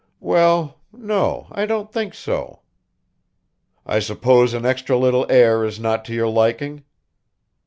"Well, no, I don't think so." "I suppose an extra little heir is not to your liking."